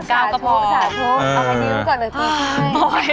ชาทุกเอาไปดิ้วก่อนเลย